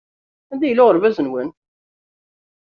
Anda yella uɣerbaz-nwen?